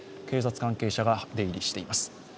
警察関係者が出入りしています。